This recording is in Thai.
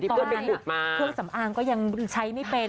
ตอนนั้นเครื่องสำอางก็ยังใช้ไม่เป็น